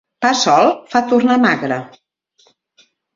Pa sol fa tornar magre.